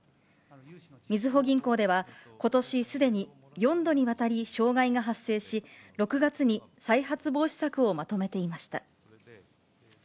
みずほ銀行では、ことしすでに４度にわたり障害が発生し、６月に再発防止策をまとめていました。